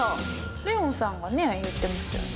レオンさんがね言ってますよね。